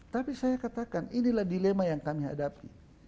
tapi saya katakan inilah dilema yang kami hadapi